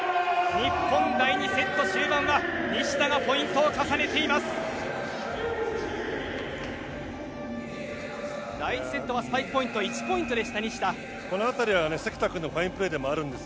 日本、第２セット終盤は西田がポイントを重ねています。